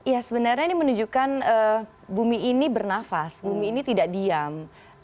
ya sebenarnya ini menunjukkan bumi ini bernafas bumi ini tidak diam